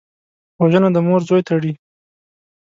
وژنه د مور زوی تړي